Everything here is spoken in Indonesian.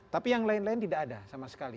tapi yang lain lain tidak ada sama sekali